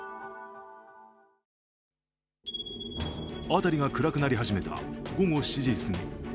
辺りが暗くなり始めた午後７時すぎ。